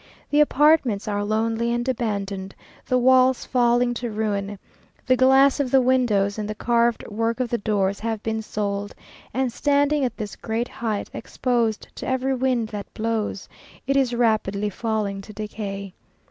The apartments are lonely and abandoned, the walls falling to ruin, the glass of the windows and the carved work of the doors have been sold; and standing at this great height, exposed to every wind that blows, it is rapidly falling to decay.